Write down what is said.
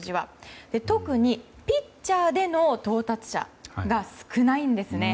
特に、ピッチャーでの到達者が少ないんですね。